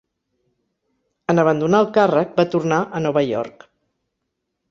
En abandonar el càrrec va tornar a Nova York.